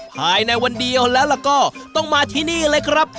ภายในวันเดียวแล้วก็ต้องมาที่นี่เลยครับ